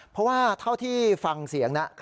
เพราะว่าเท่าที่ฟังเสียงนะ